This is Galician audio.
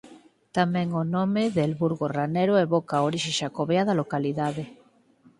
Tamén o nome de El Burgo Ranero evoca a orixe xacobea da localidade.